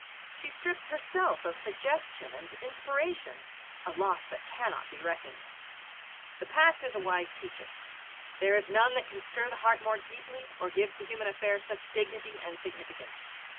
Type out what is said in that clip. She strips herself of suggestion and inspiration a loss that cannot be reckoned. The past is a wise teacher. There is none that can stir the heart more deeply or give to human affairs such dignity and significance.